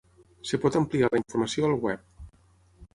Es pot ampliar la informació al web.